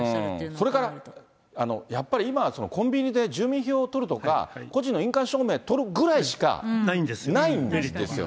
それから、やっぱり今はコンビニで住民票を取るとか、個人の印鑑証明取るぐらいしかないんですよ。